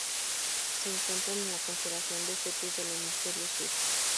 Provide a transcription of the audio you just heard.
Se encuentra en la constelación de Cetus del hemisferio sur.